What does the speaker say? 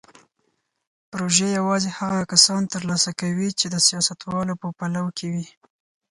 پروژې یوازې هغه کسان ترلاسه کوي چې د سیاستوالو په پلو کې وي.